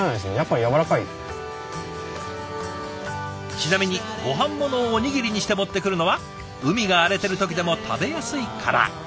ちなみにごはんものをおにぎりにして持ってくるのは海が荒れてる時でも食べやすいから。